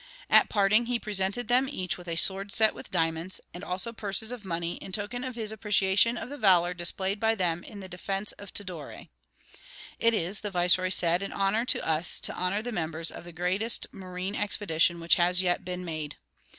At parting he presented them each with a sword set with diamonds, and also purses of money, in token of his appreciation of the valor displayed by them in the defense of Tidore. "It is," the viceroy said, "an honor to us to honor the members of the greatest marine expedition which has yet been made.